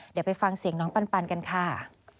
เดี๋ยวไปฟังเสียงน้องปันกันค่ะ